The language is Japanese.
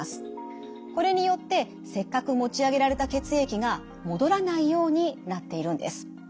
これによってせっかく持ち上げられた血液が戻らないようになっているんです。